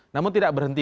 namun tidak berhenti